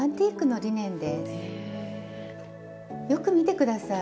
よく見て下さい。